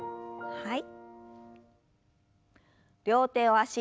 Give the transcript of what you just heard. はい。